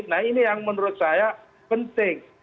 nah ini yang menurut saya penting